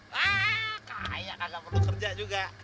wah kaya kagak perlu kerja juga